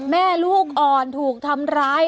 แม่ลูกอ่อนถูกทำร้าย